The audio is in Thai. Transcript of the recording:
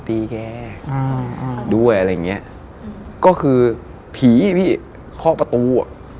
นี่พี่ข้อประตูอะ